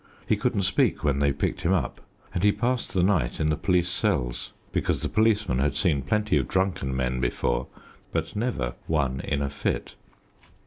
He couldn't speak when they picked him up, and he passed the night in the police cells, because the policeman had seen plenty of drunken men before, but never one in a fit.